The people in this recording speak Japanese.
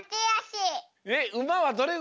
えっうまはどれぐらいはやい？